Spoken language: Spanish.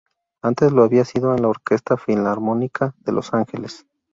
Antes lo había sido de la Orquesta Filarmónica de Los Ángeles.